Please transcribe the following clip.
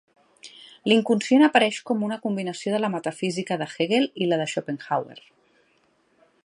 L'inconscient apareix com a una combinació de la metafísica de Hegel i la de Schopenhauer.